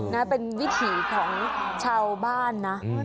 นะเป็นวิถีของชาวบ้านนะ